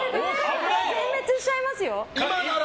全滅しちゃいますよ？